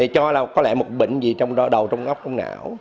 cho là có lẽ một bệnh gì trong đầu trong ngóc trong não